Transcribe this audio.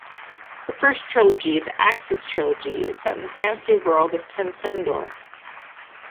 Her first trilogy, "The Axis Trilogy", is set in the fantasy world of Tencendor.